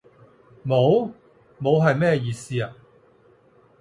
冇？冇係咩意思？